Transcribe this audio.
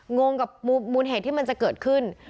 งงกับมูลเหตุที่มันจะเกิดขึ้น